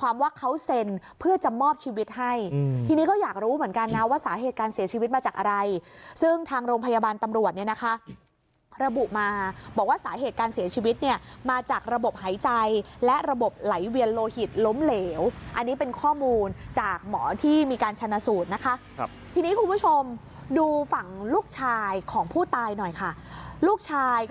ความว่าเขาเซ็นเพื่อจะมอบชีวิตให้ทีนี้ก็อยากรู้เหมือนกันนะว่าสาเหตุการเสียชีวิตมาจากอะไรซึ่งทางโรงพยาบาลตำรวจเนี่ยนะคะระบุมาบอกว่าสาเหตุการเสียชีวิตเนี่ยมาจากระบบหายใจและระบบไหลเวียนโลหิตล้มเหลวอันนี้เป็นข้อมูลจากหมอที่มีการชนะสูตรนะคะทีนี้คุณผู้ชมดูฝั่งลูกชายของผู้ตายหน่อยค่ะลูกชายก็